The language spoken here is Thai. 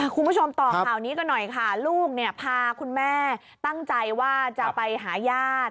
คุณผู้ชมต่อข่าวนี้กันหน่อยค่ะลูกเนี่ยพาคุณแม่ตั้งใจว่าจะไปหาญาติ